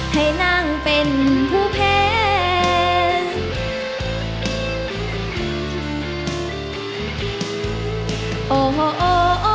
ให้นั่งเป็นผู้แพ้